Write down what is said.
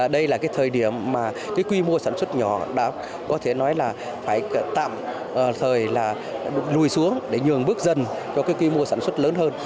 đây là cái thời điểm mà cái quy mô sản xuất nhỏ đã có thể nói là phải tạm thời là lùi xuống để nhường bước dần cho cái quy mô sản xuất lớn hơn